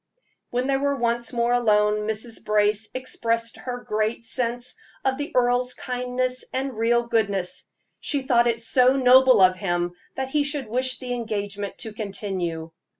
When they were once more alone, Mrs. Brace expressed her great sense of the earl's kindness and real goodness. She thought it so noble of him that he should wish the engagement to continue.